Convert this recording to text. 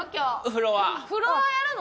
フロアやるの？